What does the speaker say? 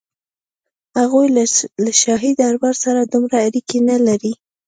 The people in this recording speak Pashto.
هغوی له شاهي دربار سره دومره اړیکې نه لرلې.